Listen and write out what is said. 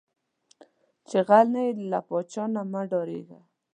چې غل نۀ یې، لۀ پاچا نه مۀ ډارېږه